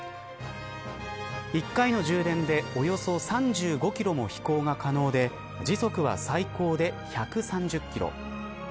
一回の充電で、およそ３５キロも飛行が可能で時速は最高で１３０キロ。